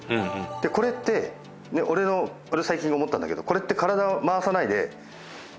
でこれって俺最近思ったんだけどこれって体を回さないで。